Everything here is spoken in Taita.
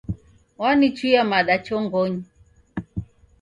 Wanichuia mada chongonyi.